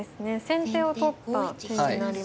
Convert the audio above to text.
先手を取った手になりますね。